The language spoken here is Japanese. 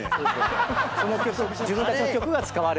自分たちの曲が使われる。